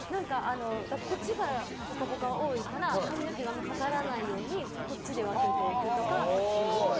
こっちからが「ぽかぽか」は多いから髪の毛がかからないようにこっちで分けておくとか。